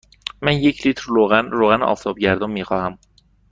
من یک لیتر روغن آفتابگردان می خواهم.